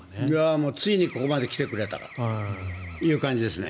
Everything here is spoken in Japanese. ついにここまで来てくれたという感じですね。